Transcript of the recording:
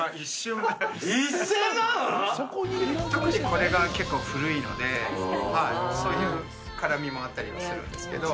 これが結構古いのでそういう絡みもあったりはするんですけど。